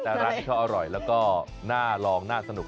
แต่ร้านนี้เขาอร่อยแล้วก็น่าลองน่าสนุก